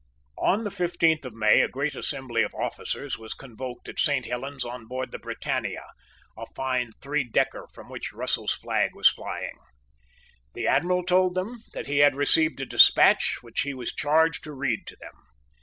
On the fifteenth of May a great assembly of officers was convoked at Saint Helen's on board the Britannia, a fine three decker, from which Russell's flag was flying. The Admiral told them that he had received a despatch which he was charged to read to them.